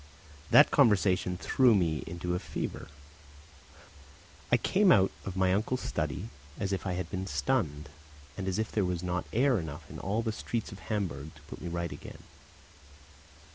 That conversation threw me into a fever. I came out of my uncle's study as if I had been stunned, and as if there was not air enough in all the streets of Hamburg to put me right again.